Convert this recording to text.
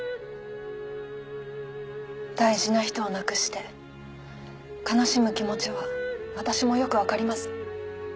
大事な人を亡くして悲しむ気持ちは私もよくわかります。